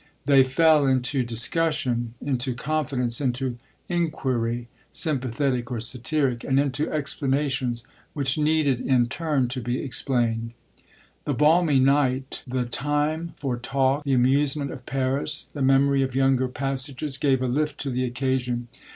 They fell into discussion, into confidence, into inquiry, sympathetic or satiric, and into explanations which needed in turn to be explained. The balmy night, the time for talk, the amusement of Paris, the memory of younger passages, gave a lift to the occasion.